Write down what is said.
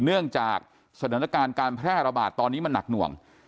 เนื่องจากสถานการณ์การแพร่ระบาดตอนนี้มันหนักหน่วง